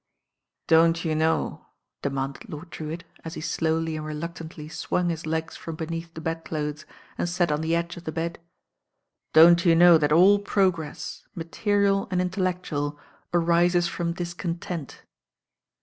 "Don't you know '* demanded Lord Drewitt as he slowly and reluctantly swung his legs from beneath the bedclothes and sat on the edge of the bed. "Don't you know that all progress, material and intellectual, arises from discontent?"